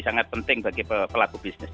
sangat penting bagi pelaku bisnis